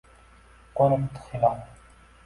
Qo’nibdi hilol.